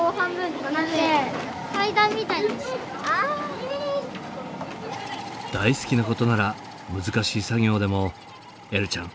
今ね大好きなことなら難しい作業でもえるちゃん